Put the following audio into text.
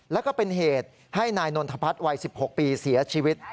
แล้วก็เป็นเหตุให้นายนนทพัฒน์วัย๑๖ปีเสียชีวิต